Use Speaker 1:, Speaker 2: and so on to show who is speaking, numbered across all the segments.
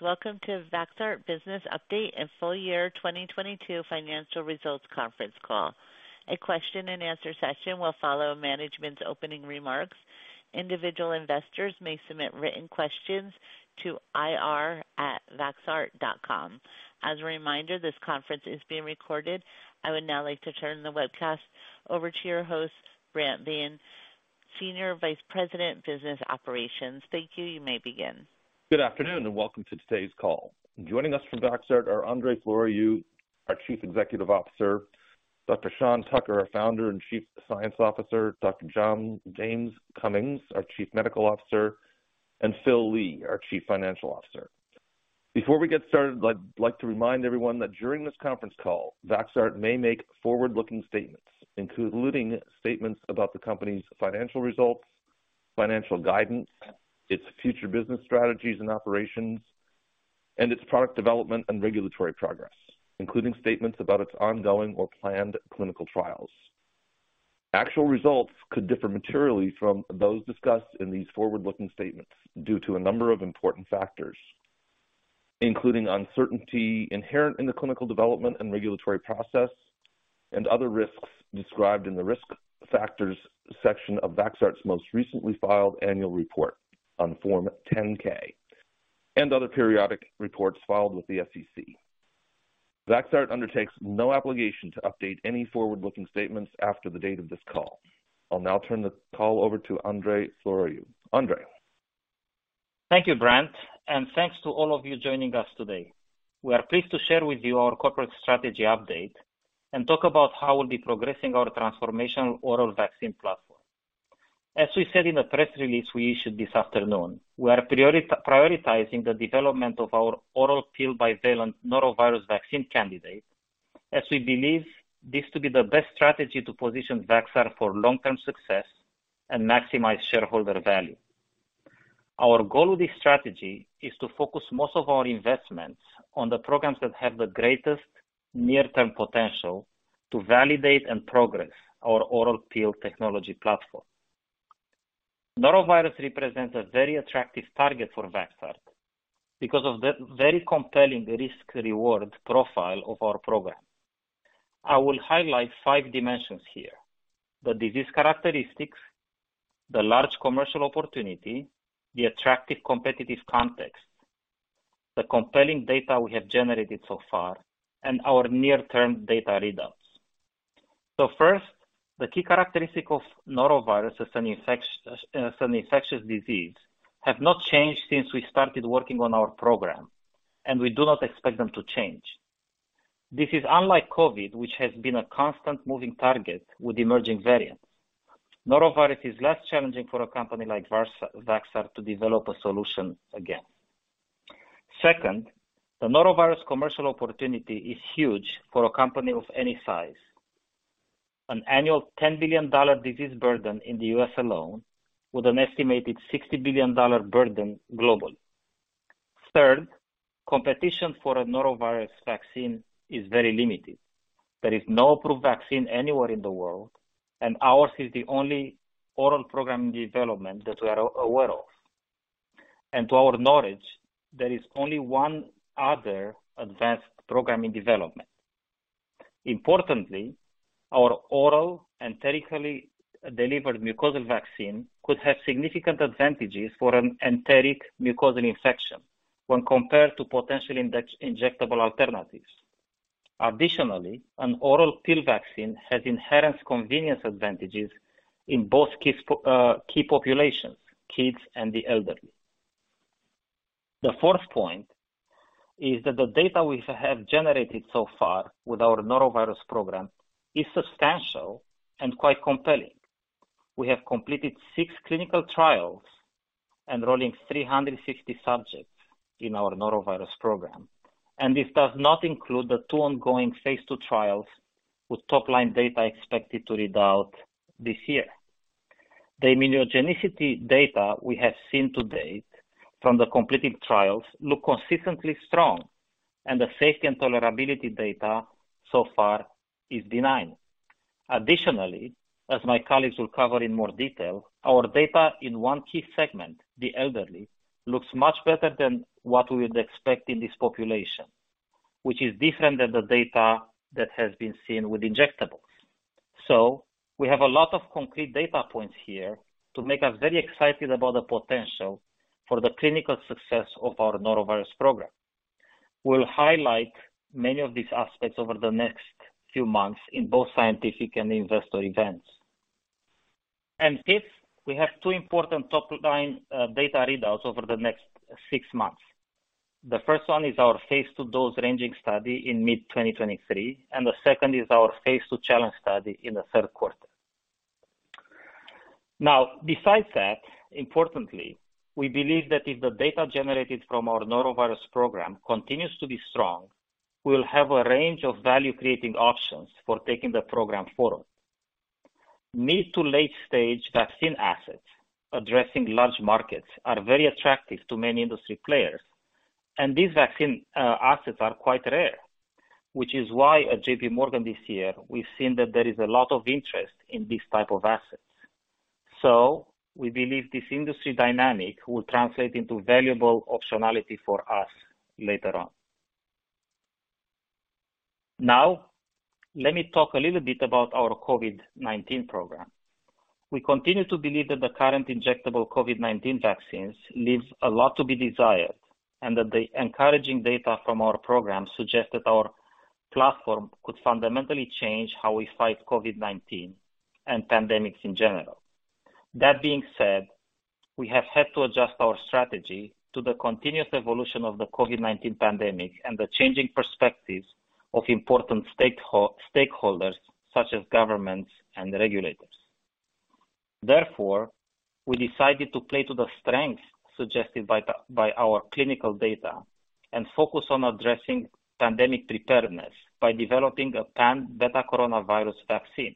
Speaker 1: Welcome to Vaxart Business Update and Full Year 2022 Financial Results Conference Call. A question and answer session will follow management's opening remarks. Individual investors may submit written questions to ir@vaxart.com. As a reminder, this conference is being recorded. I would now like to turn the webcast over to your host, Ed Berg, Senior Vice President, Business Operations. Thank you. You may begin.
Speaker 2: Good afternoon, welcome to today's call. Joining us from Vaxart are Andrei Floroiu, our Chief Executive Officer, Dr. Sean Tucker, our Founder and Chief Science Officer, Dr. James Cummings, our Chief Medical Officer, and Phillip Lee, our Chief Financial Officer. Before we get started, I'd like to remind everyone that during this conference call, Vaxart may make forward-looking statements, including statements about the company's financial results, financial guidance, its future business strategies and operations, and its product development and regulatory progress, including statements about its ongoing or planned clinical trials. Actual results could differ materially from those discussed in these forward-looking statements due to a number of important factors, including uncertainty inherent in the clinical development and regulatory process and other risks described in the Risk Factors section of Vaxart's most recently filed annual report on Form 10-K and other periodic reports filed with the SEC. Vaxart undertakes no obligation to update any forward-looking statements after the date of this call. I'll now turn the call over to Andrei Floroiu. Andrei.
Speaker 3: Thank you, Berg, and thanks to all of you joining us today. We are pleased to share with you our corporate strategy update and talk about how we'll be progressing our transformational oral vaccine platform. As we said in the press release we issued this afternoon, we are prioritizing the development of our oral pill bivalent norovirus vaccine candidate, as we believe this to be the best strategy to position Vaxart for long-term success and maximize shareholder value. Our goal with this strategy is to focus most of our investments on the programs that have the greatest near-term potential to validate and progress our oral pill technology platform. Norovirus represents a very attractive target for Vaxart because of the very compelling risk-reward profile of our program. I will highlight five dimensions here. The disease characteristics, the large commercial opportunity, the attractive competitive context, the compelling data we have generated so far, and our near-term data readouts. First, the key characteristic of norovirus as an infectious disease have not changed since we started working on our program, and we do not expect them to change. This is unlike COVID, which has been a constant moving target with emerging variants. Norovirus is less challenging for a company like Vaxart to develop a solution again. The norovirus commercial opportunity is huge for a company of any size. An annual $10 billion disease burden in the U.S. alone, with an estimated $60 billion burden globally. Competition for a norovirus vaccine is very limited. There is no approved vaccine anywhere in the world, and ours is the only oral program development that we are aware of. To our knowledge, there is only one other advanced program in development. Importantly, our oral enterically delivered mucosal vaccine could have significant advantages for an enteric mucosal infection when compared to potential injectable alternatives. Additionally, an oral pill vaccine has inherent convenience advantages in both kids, key populations, kids and the elderly. The fourth point is that the data we have generated so far with our norovirus program is substantial and quite compelling. We have completed 6 clinical trials enrolling 360 subjects in our norovirus program, and this does not include the 2 ongoing phase II trials with top-line data expected to read out this year. The immunogenicity data we have seen to date from the completed trials look consistently strong, and the safety and tolerability data so far is benign. Additionally, as my colleagues will cover in more detail, our data in one key segment, the elderly, looks much better than what we would expect in this population, which is different than the data that has been seen with injectables. We have a lot of concrete data points here to make us very excited about the potential for the clinical success of our norovirus program. We'll highlight many of these aspects over the next few months in both scientific and investor events. Fifth, we have two important top-line data readouts over the next six months. The first one is our phase II dose ranging study in mid-2023, and the second is our phase II challenge study in the third quarter. Besides that, importantly, we believe that if the data generated from our norovirus program continues to be strong, we will have a range of value-creating options for taking the program forward. Mid to late-stage vaccine assets addressing large markets are very attractive to many industry players, and these vaccine assets are quite rare. At JP Morgan this year, we've seen that there is a lot of interest in these type of assets. We believe this industry dynamic will translate into valuable optionality for us later on. Let me talk a little bit about our COVID-19 program. We continue to believe that the current injectable COVID-19 vaccines leaves a lot to be desired, and that the encouraging data from our program suggests that our platform could fundamentally change how we fight COVID-19 and pandemics in general. That being said, we have had to adjust our strategy to the continuous evolution of the COVID-19 pandemic and the changing perspectives of important stakeholders such as governments and regulators. We decided to play to the strengths suggested by our clinical data and focus on addressing pandemic preparedness by developing a pan-Betacoronavirus vaccine.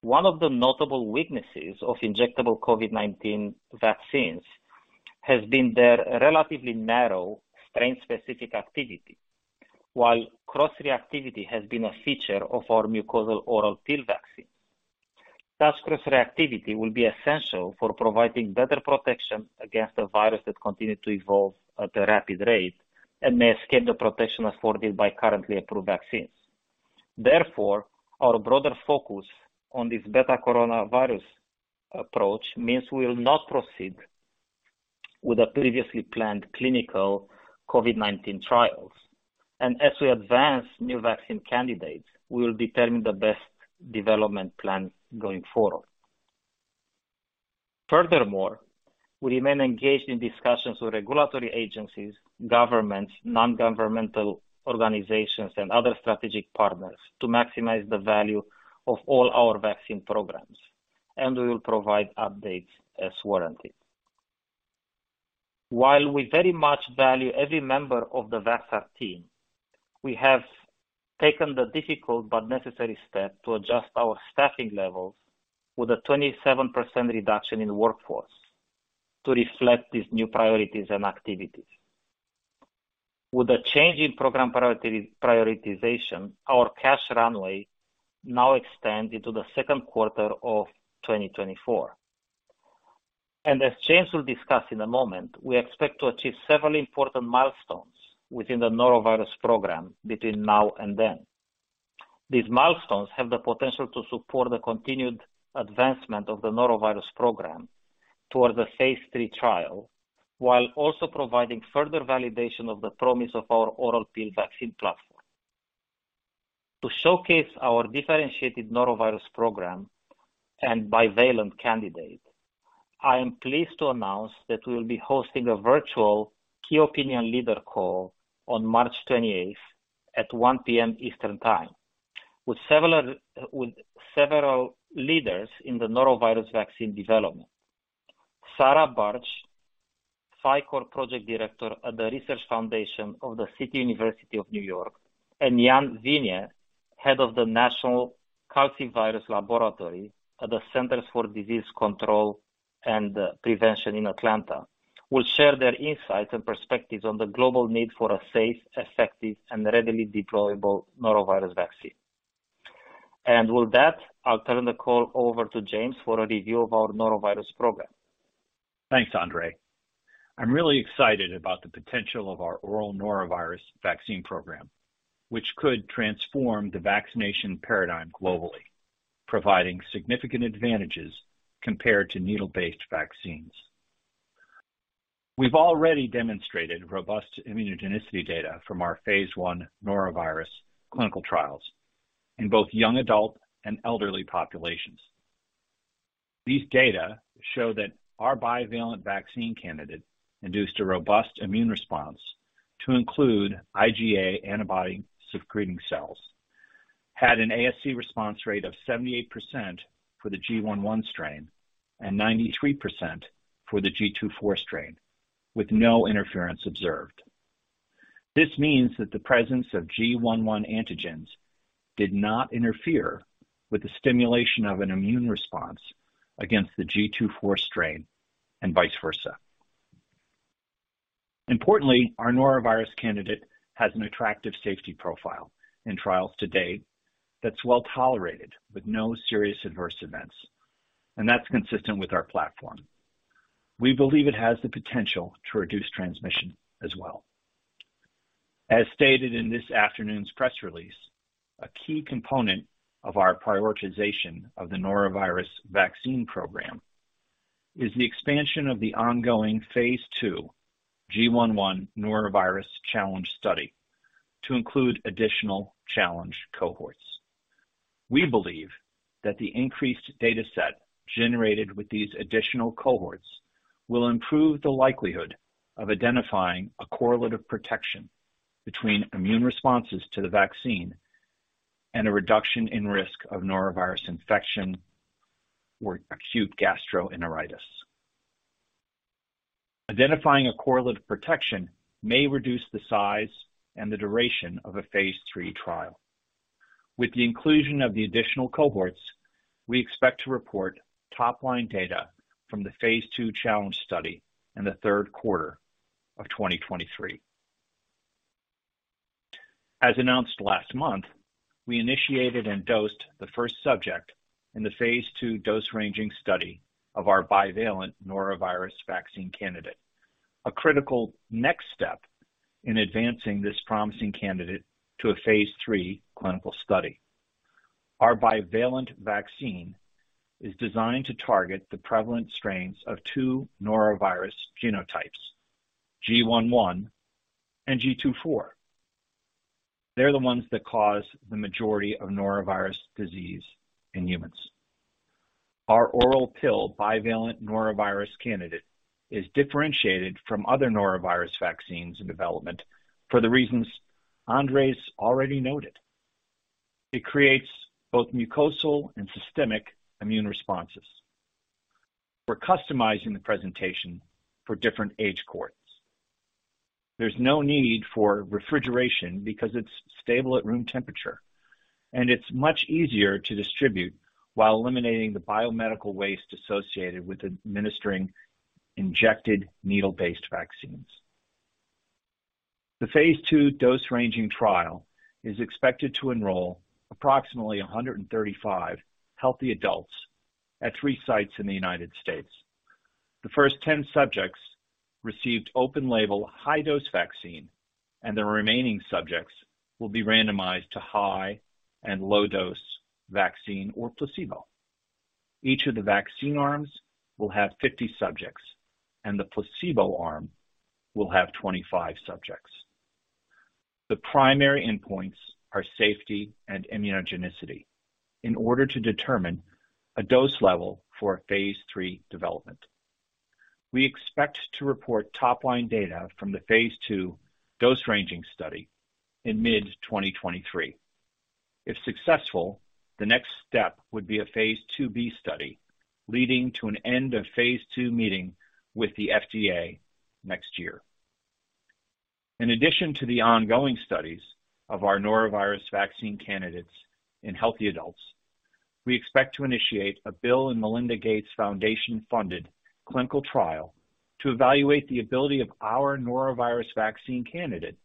Speaker 3: One of the notable weaknesses of injectable COVID-19 vaccines has been their relatively narrow, strain-specific activity. Cross-reactivity has been a feature of our mucosal oral pill vaccine. Such cross-reactivity will be essential for providing better protection against a virus that continue to evolve at a rapid rate and may escape the protection afforded by currently approved vaccines. Our broader focus on this Betacoronavirus approach means we will not proceed with the previously planned clinical COVID-19 trials. As we advance new vaccine candidates, we will determine the best development plan going forward. Furthermore, we remain engaged in discussions with regulatory agencies, governments, non-governmental organizations, and other strategic partners to maximize the value of all our vaccine programs, and we will provide updates as warranted. While we very much value every member of the Vaxart team, we have taken the difficult but necessary step to adjust our staffing levels with a 27% reduction in workforce to reflect these new priorities and activities. With a change in program prioritization, our cash runway now extends into the second quarter of 2024. As James will discuss in a moment, we expect to achieve several important milestones within the norovirus program between now and then. These milestones have the potential to support the continued advancement of the norovirus program towards a phase III trial, while also providing further validation of the promise of our oral pill vaccine platform. To showcase our differentiated norovirus program and bivalent candidate, I am pleased to announce that we'll be hosting a virtual key opinion leader call on March 28th at 1:00 P.M. Eastern Time with several leaders in the norovirus vaccine development. Sarah Bartsch, PHICOR Project Director at the Research Foundation of the City University of New York, and Jan Vinjé, Head of the National Calicivirus Laboratory at the Centers for Disease Control and Prevention in Atlanta, will share their insights and perspectives on the global need for a safe, effective, and readily deployable norovirus vaccine. With that, I'll turn the call over to James for a review of our norovirus program.
Speaker 4: Thanks, Andrei. I'm really excited about the potential of our oral norovirus vaccine program, which could transform the vaccination paradigm globally, providing significant advantages compared to needle-based vaccines. We've already demonstrated robust immunogenicity data from our Phase I norovirus clinical trials in both young adult and elderly populations. These data show that our bivalent vaccine candidate induced a robust immune response to include IgA antibody-secreting cells, had an ASC response rate of 78% for the GI.1 strain and 93% for the GII.4 strain, with no interference observed. This means that the presence of GI.1 antigens did not interfere with the stimulation of an immune response against the GII.4 strain and vice versa. Importantly, our norovirus candidate has an attractive safety profile in trials to date that's well-tolerated with no serious adverse events, and that's consistent with our platform. We believe it has the potential to reduce transmission as well. As stated in this afternoon's press release, a key component of our prioritization of the norovirus vaccine program is the expansion of the ongoing phase II GI.1 norovirus challenge study to include additional challenge cohorts. We believe that the increased data set generated with these additional cohorts will improve the likelihood of identifying a correlative protection between immune responses to the vaccine and a reduction in risk of norovirus infection or acute gastroenteritis. Identifying a correlative protection may reduce the size and the duration of a phase III trial. With the inclusion of the additional cohorts, we expect to report top-line data from the phase II challenge study in the third quarter of 2023. As announced last month, we initiated and dosed the 1st subject in the phase II dose-ranging study of our bivalent norovirus vaccine candidate, a critical next step in advancing this promising candidate to a phase III clinical study. Our bivalent vaccine is designed to target the prevalent strains of 2 norovirus genotypes, GI.1 and GII.4. They're the ones that cause the majority of norovirus disease in humans. Our oral pill bivalent norovirus candidate is differentiated from other norovirus vaccines in development for the reasons Andrei already noted. It creates both mucosal and systemic immune responses. We're customizing the presentation for different age cohorts. There's no need for refrigeration because it's stable at room temperature. It's much easier to distribute while eliminating the biomedical waste associated with administering injected needle-based vaccines. The phase II dose-ranging trial is expected to enroll approximately 135 healthy adults at three sites in the United States. The first 10 subjects received open label high dose vaccine, and the remaining subjects will be randomized to high and low dose vaccine or placebo. Each of the vaccine arms will have 50 subjects, and the placebo arm will have 25 subjects. The primary endpoints are safety and immunogenicity in order to determine a dose level for phase III development. We expect to report top line data from the phase II dose-ranging study in mid-2023. If successful, the next step would be a phase IIb study, leading to an End of Phase II meeting with the FDA next year. In addition to the ongoing studies of our norovirus vaccine candidates in healthy adults, we expect to initiate a Bill & Melinda Gates Foundation funded clinical trial to evaluate the ability of our norovirus vaccine candidate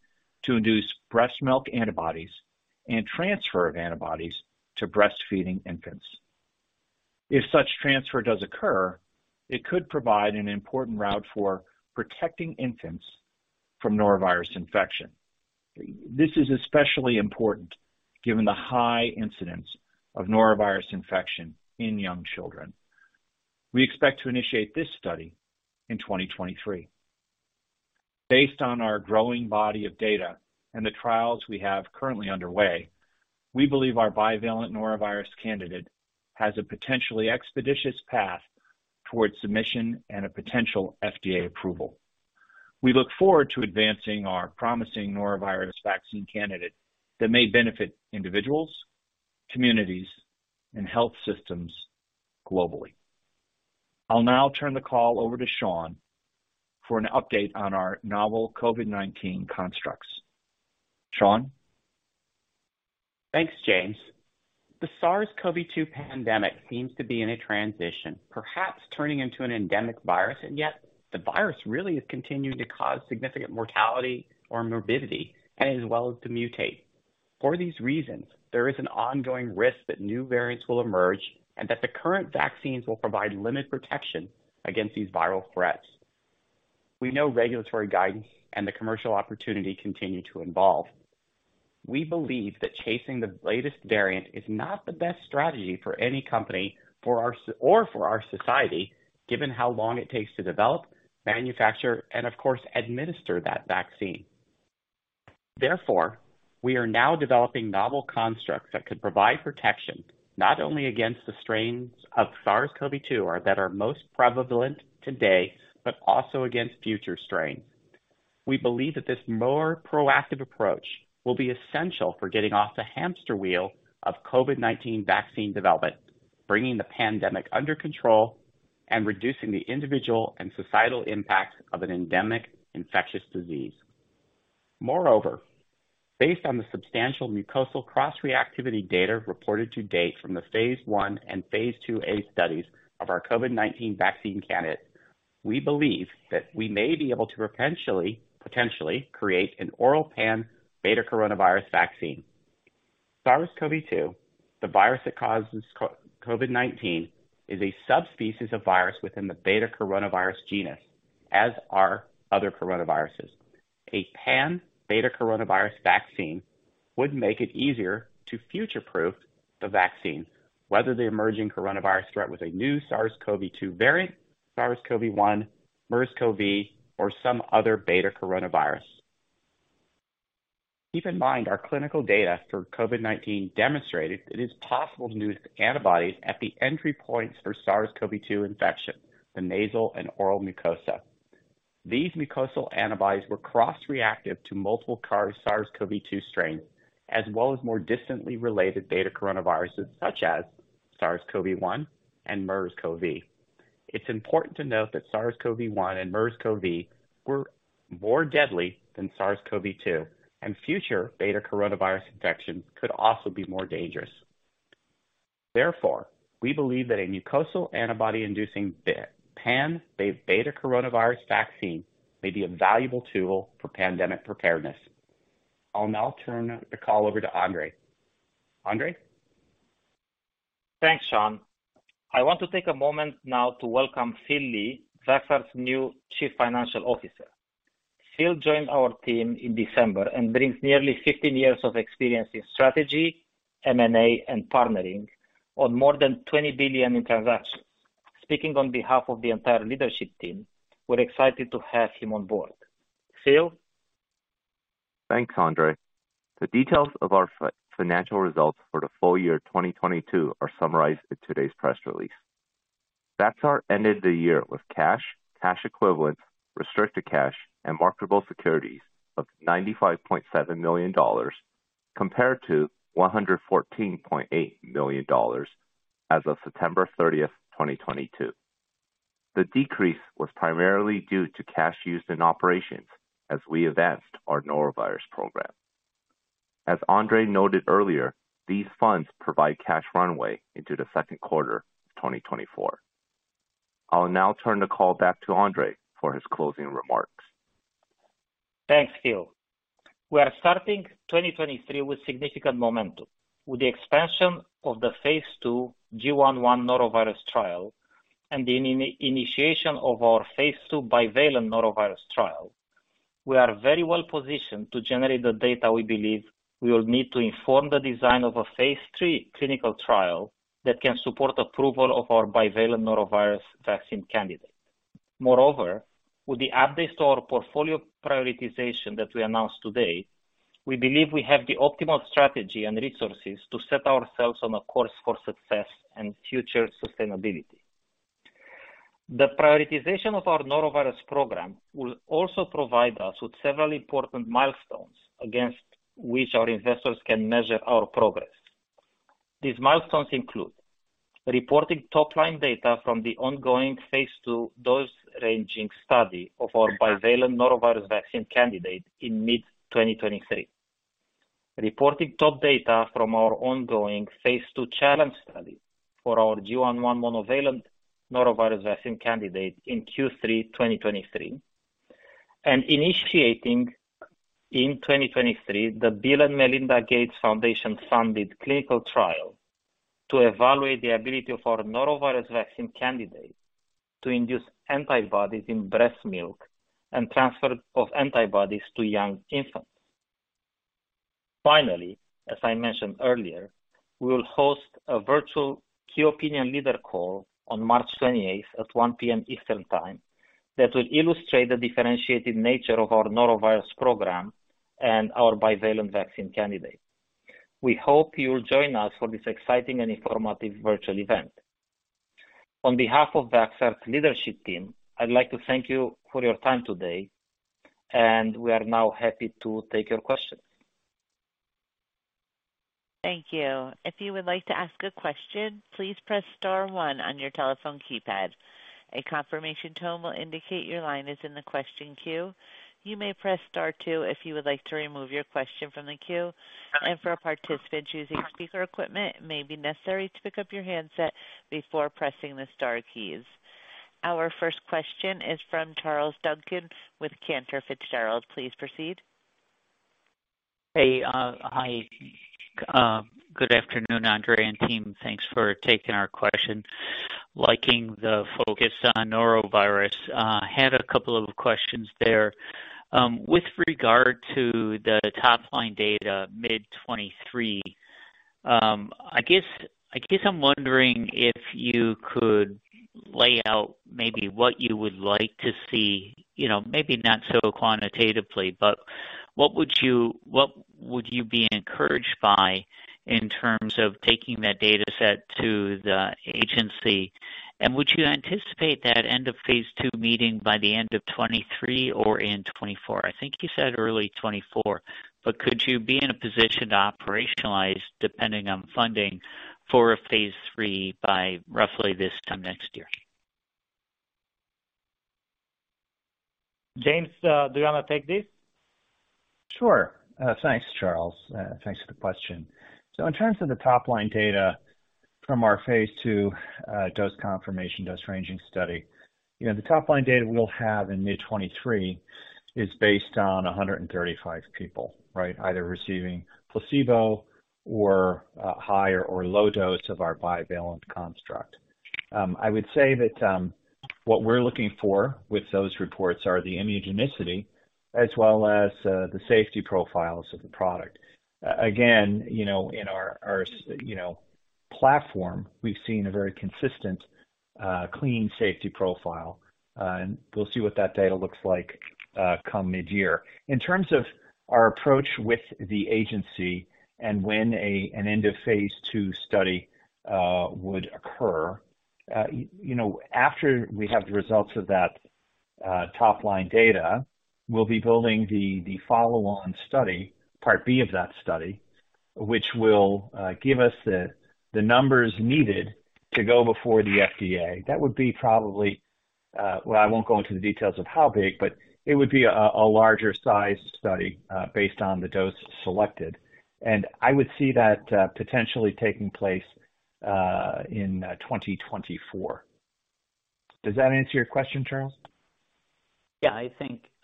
Speaker 4: to induce breast milk antibodies and transfer of antibodies to breastfeeding infants. If such transfer does occur, it could provide an important route for protecting infants from norovirus infection. This is especially important given the high incidence of norovirus infection in young children. We expect to initiate this study in 2023. Based on our growing body of data and the trials we have currently underway, we believe our bivalent norovirus candidate has a potentially expeditious path towards submission and a potential FDA approval. We look forward to advancing our promising norovirus vaccine candidate that may benefit individuals, communities, and health systems globally. I'll now turn the call over to Sean for an update on our novel COVID-19 constructs. Sean?
Speaker 5: Thanks, James. The SARS-CoV-2 pandemic seems to be in a transition, perhaps turning into an endemic virus, and yet the virus really is continuing to cause significant mortality or morbidity and as well as to mutate. For these reasons, there is an ongoing risk that new variants will emerge and that the current vaccines will provide limited protection against these viral threats. We know regulatory guidance and the commercial opportunity continue to evolve. We believe that chasing the latest variant is not the best strategy for any company or for our society, given how long it takes to develop, manufacture, and of course administer that vaccine. Therefore, we are now developing novel constructs that could provide protection not only against the strains of SARS-CoV-2 or that are most prevalent today, but also against future strains. We believe that this more proactive approach will be essential for getting off the hamster wheel of COVID-19 vaccine development, bringing the pandemic under control, and reducing the individual and societal impact of an endemic infectious disease. Based on the substantial mucosal cross-reactivity data reported to date from the phase I and phase IIa studies of our COVID-19 vaccine candidate, we believe that we may be able to potentially create an oral pan-betacoronavirus vaccine. SARS-CoV-2, the virus that causes COVID-19, is a subspecies of virus within the Betacoronavirus genus, as are other coronaviruses. A pan-betacoronavirus vaccine would make it easier to future-proof the vaccine, whether the emerging coronavirus threat was a new SARS-CoV-2 variant, SARS-CoV-1, MERS-CoV, or some other Betacoronavirus. Keep in mind our clinical data for COVID-19 demonstrated it is possible to induce antibodies at the entry points for SARS-CoV-2 infection, the nasal and oral mucosa. These mucosal antibodies were cross-reactive to multiple SARS-CoV-2 strains, as well as more distantly related Betacoronaviruses such as SARS-CoV-1 and MERS-CoV. It's important to note that SARS-CoV-1 and MERS-CoV were more deadly than SARS-CoV-2, and future Betacoronavirus infections qalso be more dangerous. Therefore, we believe that a mucosal antibody-inducing bi- pan-betacoronavirus vaccine may be a valuable tool for pandemic preparedness. I'll now turn the call over to Andrei. Andrei?
Speaker 3: Thanks, Sean. I want to take a moment now to welcome Phillip Lee, Vaxart's new Chief Financial Officer. Phil joined our team in December and brings nearly 15 years of experience in strategy, M&A, and partnering on more than $20 billion in transactions. Speaking on behalf of the entire leadership team, we're excited to have him on board. Phil?
Speaker 6: Thanks, Andrei. The details of our financial results for the full year 2022 are summarized in today's press release. Vaxart ended the year with cash equivalents, restricted cash and marketable securities of $95.7 million, compared to $114.8 million as of September 30th, 2022. The decrease was primarily due to cash used in operations as we advanced our norovirus program. As Andrei noted earlier, these funds provide cash runway into the second quarter of 2024. I'll now turn the call back to Andrei for his closing remarks.
Speaker 3: Thanks, Phil. We are starting 2023 with significant momentum. With the expansion of the phase II GI.1 norovirus trial and the initiation of our phase II bivalent norovirus trial, we are very well positioned to generate the data we believe we will need to inform the design of a phase III clinical trial that can support approval of our bivalent norovirus vaccine candidate. Moreover, with the updates to our portfolio prioritization that we announced today, we believe we have the optimal strategy and resources to set ourselves on a course for success and future sustainability. The prioritization of our norovirus program will also provide us with several important milestones against which our investors can measure our progress. These milestones include reporting top-line data from the ongoing phase II dose-ranging study of our bivalent norovirus vaccine candidate in mid-2023. Reporting top data from our ongoing phase II challenge study for our GI.1 monovalent norovirus vaccine candidate in Q3, 2023. Initiating in 2023, the Bill & Melinda Gates Foundation funded clinical trial to evaluate the ability of our norovirus vaccine candidate to induce antibodies in breast milk and transfer of antibodies to young infants. Finally, as I mentioned earlier, we will host a virtual key opinion leader call on March 28th at 1:00 P.M. Eastern Time that will illustrate the differentiated nature of our norovirus program and our bivalent vaccine candidate. We hope you'll join us for this exciting and informative virtual event. On behalf of Vaxart's leadership team, I'd like to thank you for your time today, and we are now happy to take your questions.
Speaker 1: Thank you. If you would like to ask a question, please press star 1 on your telephone keypad. A confirmation tone will indicate your line is in the question queue. You may press star 2 if you would like to remove your question from the queue. For participants using speaker equipment, it may be necessary to pick up your handset before pressing the star keys. Our first question is from Charles Duncan with Cantor Fitzgerald. Please proceed.
Speaker 7: Hey, hi. Good afternoon, Andrei and team. Thanks for taking our question. Liking the focus on norovirus. Had a couple of questions there. With regard to the top-line data, mid-2023, I'm wondering if you could lay out maybe what you would like to see, you know, maybe not so quantitatively, but what would you be encouraged by in terms of taking that data set to the agency? Would you anticipate that End of Phase II meeting by the end of 2023 or in 2024? I think you said early 2024, but could you be in a position to operationalize, depending on funding, for a phase III by roughly this time next year?
Speaker 3: James, do you want to take this?
Speaker 4: Sure. Thanks, Charles. Thanks for the question. In terms of the top-line data from our phase II, dose confirmation, dose ranging study, you know, the top-line data we'll have in mid-2023 is based on 135 people, right? Either receiving placebo or a high or low dose of our bivalent construct. I would say that what we're looking for with those reports are the immunogenicity as well as the safety profiles of the product. Again, you know, in our s- you know, platform, we've seen a very consistent, clean safety profile. We'll see what that data looks like, come mid-year. In terms of our approach with the agency and when an End of Phase II study would occur, you know, after we have the results of that top-line data, we'll be building the follow-on study, part B of that study, which will give us the numbers needed to go before the FDA. That would be, I won't go into the details of how big, but it would be a larger size study, based on the dose selected. I would see that potentially taking place in 2024. Does that answer your question, Charles?
Speaker 7: Yeah,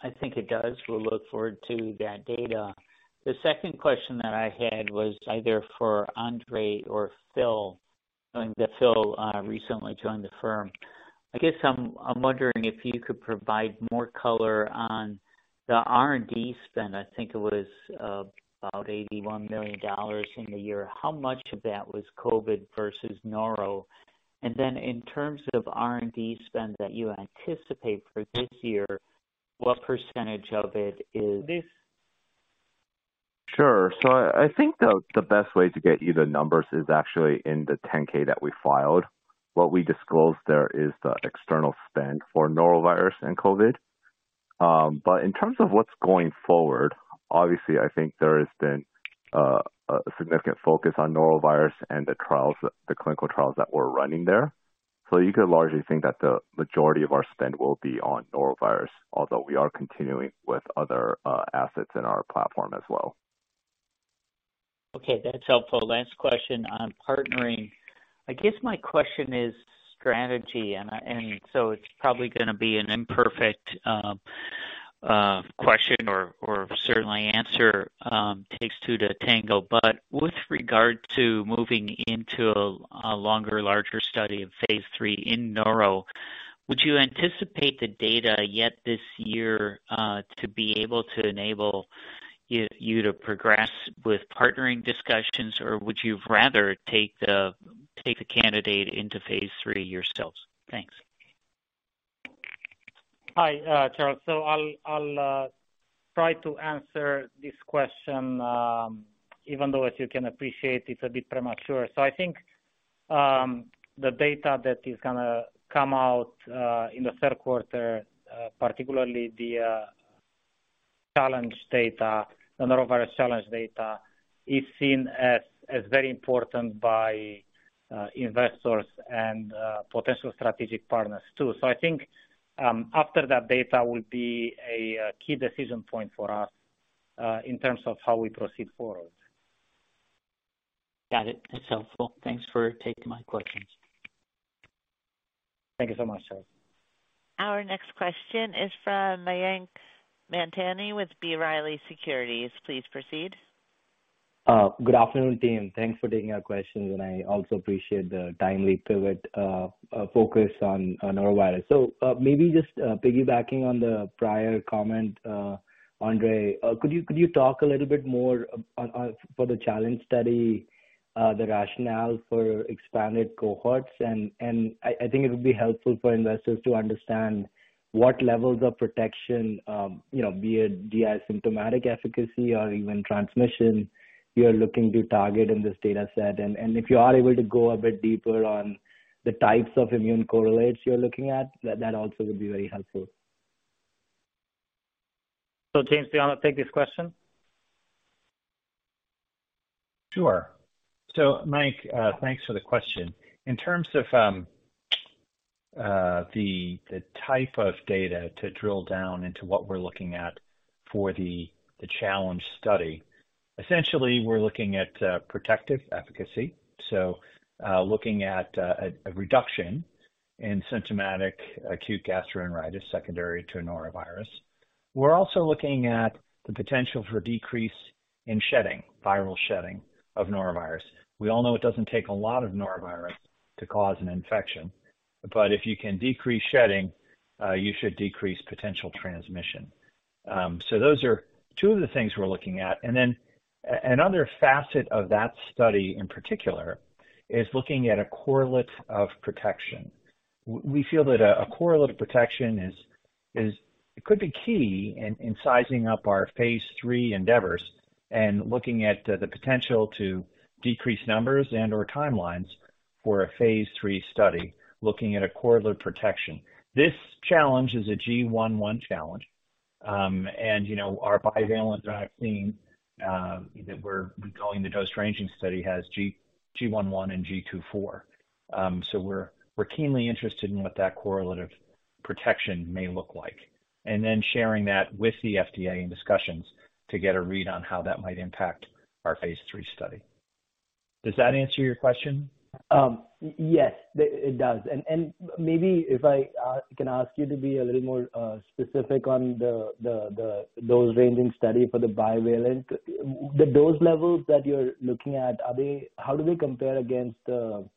Speaker 7: I think it does. We'll look forward to that data. The second question that I had was either for Andrei or Phil. Knowing that Phil recently joined the firm. I guess I'm wondering if you could provide more color on the R&D spend. I think it was about $81 million in the year. How much of that was COVID versus noro? In terms of R&D spend that you anticipate for this year, what percentage of it is-
Speaker 6: I think the best way to get you the numbers is actually in the Form 10-K that we filed. What we disclosed there is the external spend for norovirus and COVID. In terms of what's going forward, obviously I think there has been significant focus on norovirus and the clinical trials that we're running there. You could largely think that the majority of our spend will be on norovirus, although we are continuing with other assets in our platform as well.
Speaker 7: Okay, that's helpful. Last question on partnering. I guess my question is strategy and so it's probably gonna be an imperfect, question or certainly answer, takes two to tango. With regard to moving into a longer larger study of phase III in noro, would you anticipate the data yet this year, to be able to enable you to progress with partnering discussions? Or would you rather take the candidate into phase III yourselves? Thanks.
Speaker 3: Hi, Charles. I'll try to answer this question, even though as you can appreciate it's a bit premature. I think the data that is gonna come out in the third quarter, particularly the challenge data, the norovirus challenge data, is seen as very important by investors and potential strategic partners too. I think after that data will be a key decision point for us in terms of how we proceed forward.
Speaker 7: Got it. That's helpful. Thanks for taking my questions.
Speaker 3: Thank you so much, Charles.
Speaker 1: Our next question is from Mayank Mamtani with B. Riley Securities. Please proceed.
Speaker 8: Good afternoon, team. Thanks for taking our questions, and I also appreciate the timely pivot, focus on norovirus. Maybe just piggybacking on the prior comment, Andrei, could you talk a little more on for the challenge study, the rationale for expanded cohorts and I think it would be helpful for investors to understand what levels of protection, you know, be it the asymptomatic efficacy or even transmission you're looking to target in this data set. If you are able to go a bit deeper on the types of immune correlates you're looking at, that also would be very helpful.
Speaker 3: James, do you want to take this question?
Speaker 4: Sure. Mayank, thanks for the question. In terms of the type of data to drill down into what we're looking at for the challenge study, essentially we're looking at protective efficacy. Looking at a reduction in symptomatic acute gastroenteritis secondary to a norovirus. We're also looking at the potential for decrease in shedding, viral shedding of norovirus. We all know it doesn't take a lot of norovirus to cause an infection, but if you can decrease shedding, you should decrease potential transmission. Those are two of the things we're looking at. Another facet of that study in particular is looking at a correlate of protection. We feel that a correlate of protection is it could be key in sizing up our Phase III endeavors and looking at the potential to decrease numbers and/or timelines for a Phase III study, looking at a correlate protection. This challenge is a GI.1 challenge. You know, our bivalent vaccine that we're calling the dose ranging study has GI.1 and GII.4. So we're keenly interested in what that correlative protection may look like, and then sharing that with the FDA in discussions to get a read on how that might impact our Phase III study. Does that answer your question?
Speaker 8: Yes, it does. Maybe if I can ask you to be a little more specific on the dose ranging study for the bivalent. The dose levels that you're looking at, How do they compare against the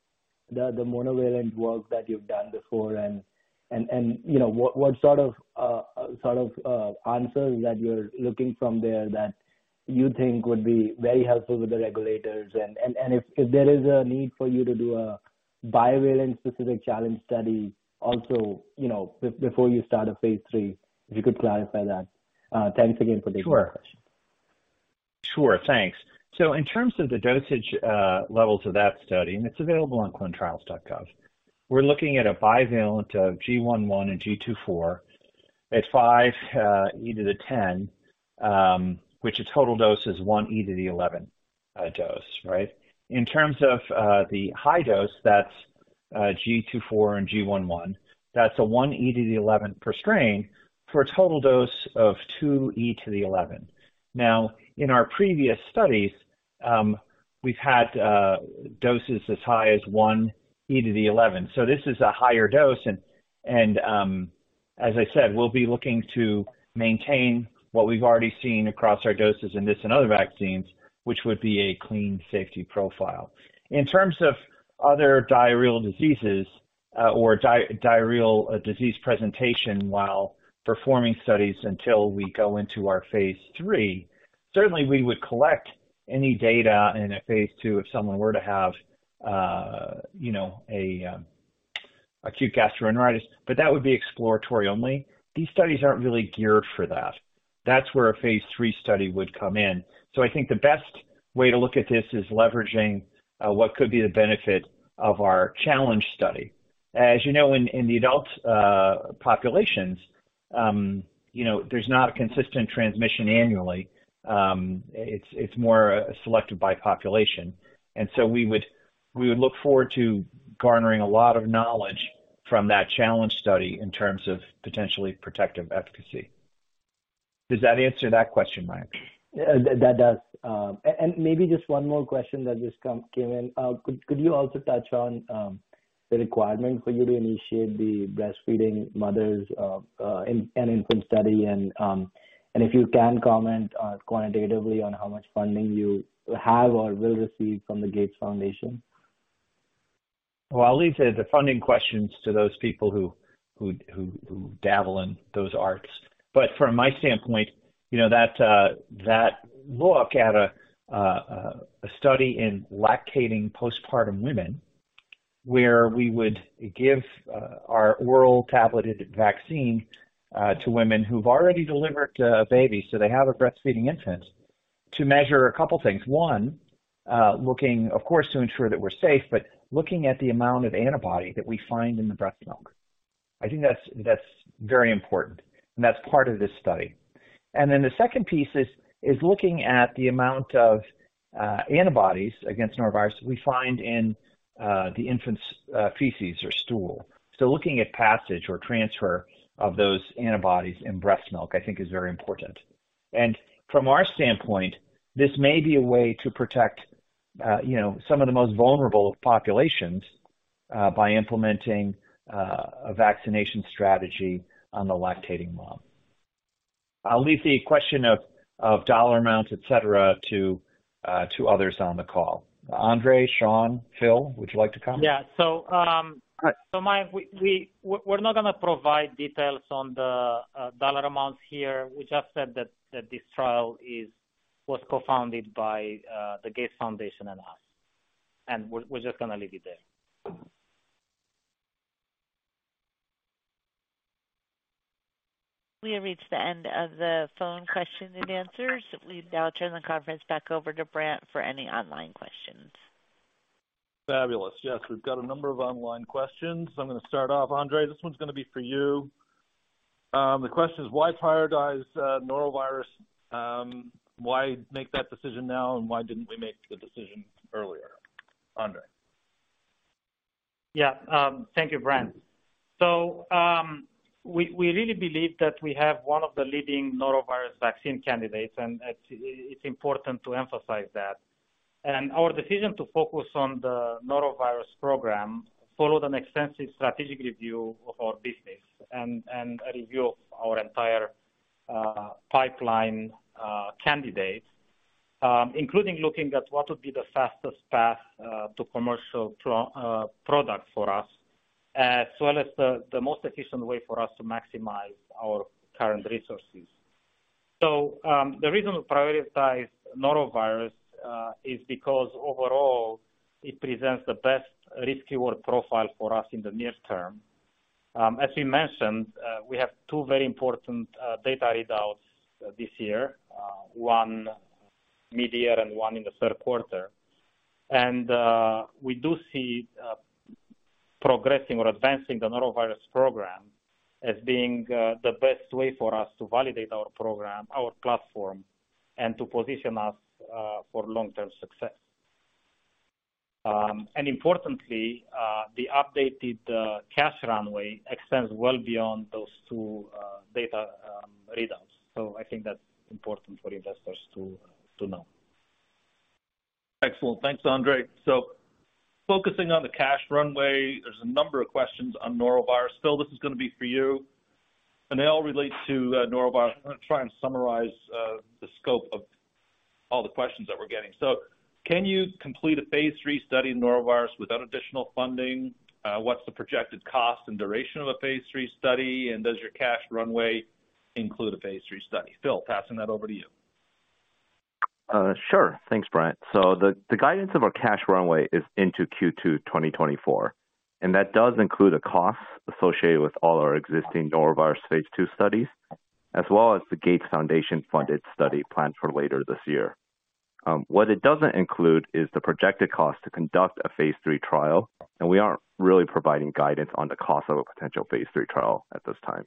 Speaker 8: monovalent work that you've done before? You know, what sort of answers that you're looking from there that you think would be very helpful with the regulators? If there is a need for you to do a bivalent specific challenge study also, you know, before you start a phase III, if you could clarify that. Thanks again for taking my question.
Speaker 4: Sure. Sure. Thanks. In terms of the dosage levels of that study, and it's available on ClinicalTrials.gov, we're looking at a bivalent of GI.1 and GII.4. It's 5 E to the 10, which the total dose is 1 E to the 11 dose, right? In terms of the high dose, that's GII.4 and GI.1. That's a 1 E to the 11 per strain for a total dose of 2 E to the 11. In our previous studies, we've had doses as high as 1 E to the 11. This is a higher dose and, as I said, we'll be looking to maintain what we've already seen across our doses in this and other vaccines, which would be a clean safety profile. In terms of other diarrheal diseases, or diarrheal disease presentation while performing studies until we go into our phase III, certainly we would collect any data in a phase II if someone were to have, you know, a acute gastroenteritis, but that would be exploratory only. These studies aren't really geared for that. That's where a phase III study would come in. I think the best way to look at this is leveraging what could be the benefit of our challenge study. As you know, in the adult populations, you know, there's not a consistent transmission annually. It's more selected by population. We would look forward to garnering a lot of knowledge from that challenge study in terms of potentially protective efficacy. Does that answer that question, Mayank?
Speaker 8: That does. Maybe just one more question that just came in. Could you also touch on the requirement for you to initiate the breastfeeding mothers of in an infant study? If you can comment quantitatively on how much funding you have or will receive from the Gates Foundation.
Speaker 4: Well, I'll leave the funding questions to those people who dabble in those arts. From my standpoint, you know, that look at a study in lactating postpartum women, where we would give our oral tableted vaccine to women who've already delivered a baby, so they have a breastfeeding infant, to measure a couple things. One, looking of course to ensure that we're safe, but looking at the amount of antibody that we find in the breast milk. I think that's very important, and that's part of this study. Then the second piece is looking at the amount of antibodies against norovirus we find in the infant's feces or stool. Looking at passage or transfer of those antibodies in breast milk, I think is very important. From our standpoint, this may be a way to protect, you know, some of the most vulnerable populations, by implementing a vaccination strategy on the lactating mom. I'll leave the question of dollar amounts, et cetera, to others on the call. Andrei, Sean, Phil, would you like to comment?
Speaker 3: Yeah.
Speaker 4: All right.
Speaker 3: Mayank, we're not gonna provide details on the dollar amounts here. We just said that this trial was co-founded by the Gates Foundation and us. We're just gonna leave it there.
Speaker 1: We have reached the end of the phone questions and answers. We now turn the conference back over to Ed Berg for any online questions.
Speaker 2: Fabulous. Yes, we've got a number of online questions. I'm gonna start off. Andrei, this one's gonna be for you. The question is why prioritize norovirus? Why make that decision now, and why didn't we make the decision earlier, Andrei?
Speaker 3: Thank you, Ed Berg. We really believe that we have one of the leading norovirus vaccine candidates, and it's important to emphasize that. Our decision to focus on the norovirus program followed an extensive strategic review of our business and a review of our entire pipeline candidates, including looking at what would be the fastest path to commercial product for us, as well as the most efficient way for us to maximize our current resources. The reason we prioritized norovirus is because overall it presents the best risk-reward profile for us in the near term. As we mentioned, we have two very important data readouts this year. One mid-year and one in the third quarter. We do see progressing or advancing the norovirus program as being the best way for us to validate our program, our platform, and to position us for long-term success. Importantly, the updated cash runway extends well beyond those two data readouts. I think that's important for investors to know.
Speaker 2: Excellent. Thanks, Andrei. Focusing on the cash runway, there's a number of questions on norovirus. Phil, this is gonna be for you, and they all relate to norovirus. I'm gonna try and summarize the scope of all the questions that we're getting. Can you complete a phase III study in norovirus without additional funding? What's the projected cost and duration of a phase III study? Does your cash runway include a phase III study? Phil, passing that over to you.
Speaker 6: Sure. Thanks, Brent. The guidance of our cash runway is into Q2 2024, and that does include a cost associated with all our existing norovirus phase II studies, as well as the Gates Foundation funded study planned for later this year. What it doesn't include is the projected cost to conduct a phase III trial, and we aren't really providing guidance on the cost of a potential phase III trial at this time.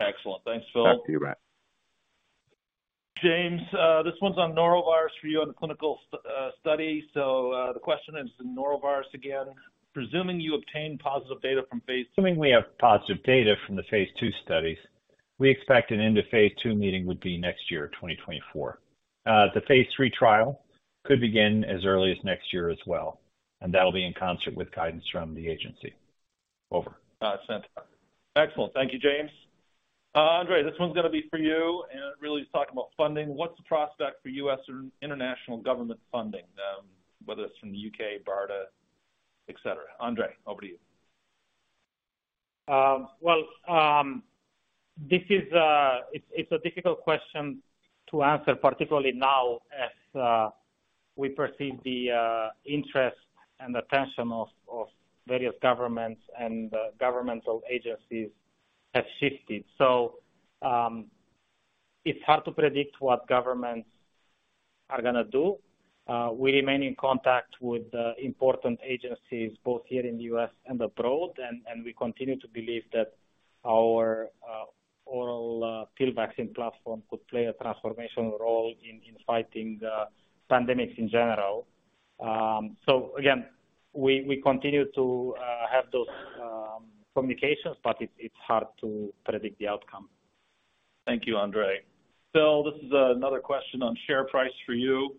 Speaker 2: Excellent. Thanks, Phil.
Speaker 6: Back to you, Berg.
Speaker 2: James, this one's on norovirus for you on the clinical study. The question is norovirus again. Presuming you obtain positive data from phase-.
Speaker 4: Presuming we have positive data from the phase II studies, we expect an End of Phase II meeting would be next year, 2024. The phase III trial could begin as early as next year as well. That'll be in concert with guidance from the agency. Over.
Speaker 2: Sent. Excellent. Thank you, James. Andrei, this one's gonna be for you and really is talking about funding. What's the prospect for U.S. or international government funding, whether it's from the U.K., BARDA, et cetera? Andrei, over to you.
Speaker 3: Well, this is, it's a difficult question to answer, particularly now as we perceive the interest and attention of various governments and governmental agencies have shifted. It's hard to predict what governments are gonna do. We remain in contact with important agencies both here in the U.S. and abroad. We continue to believe that our oral pill vaccine platform could play a transformational role in fighting the pandemics in general. Again, we continue to have those communications, but it's hard to predict the outcome.
Speaker 2: Thank you, Andrei. Phil, this is another question on share price for you.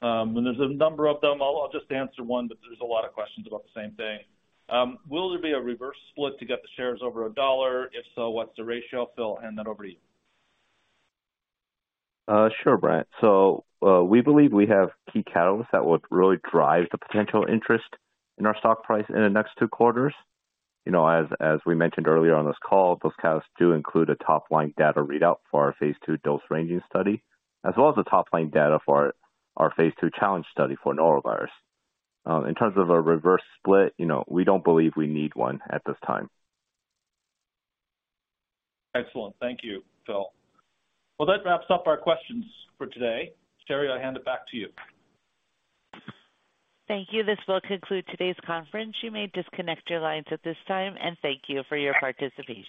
Speaker 2: There's a number of them. I'll just answer 1, but there's a lot of questions about the same thing. Will there be a reverse split to get the shares over $1? If so, what's the ratio? Phil, I'll hand that over to you.
Speaker 6: Sure, Brad. We believe we have key catalysts that would really drive the potential interest in our stock price in the next two quarters. You know, as we mentioned earlier on this call, those catalysts do include a top line data readout for our phase II dose ranging study, as well as the top line data for our phase II challenge study for norovirus. In terms of a reverse split, you know, we don't believe we need one at this time.
Speaker 2: Excellent. Thank you, Phil. Well, that wraps up our questions for today. Sherry, I hand it back to you.
Speaker 1: Thank you. This will conclude today's conference. You may disconnect your lines at this time, and thank you for your participation.